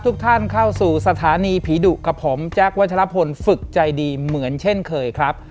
ทุกท่านเข้าสู่สถานีผีดุกับผมแจ๊ควัชลพลฝึกใจดีเหมือนเช่นเคยครับ